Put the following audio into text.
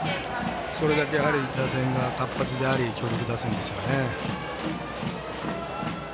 それだけ打線が活発であり強力打線ですね。